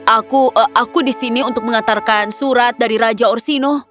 aku ee aku di sini untuk mengantarkan surat dari raja orsino